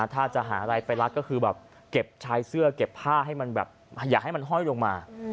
ถ้าจะหาอะไรไปรัดก็คือแบบเก็บชายเสื้อเก็บผ้าให้มันแบบอย่าให้มันห้อยลงมา